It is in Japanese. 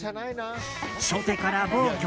初手から暴挙。